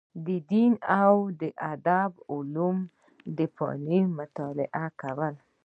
د دیني او ادبي علومو او فنونو مطالعه یې کوله.